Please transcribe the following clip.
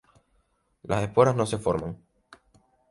Las esporas no se forman.